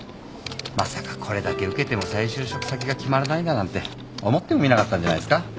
まさかこれだけ受けても再就職先が決まらないだなんて思ってもみなかったんじゃないすか？